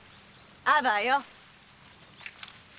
あばよ！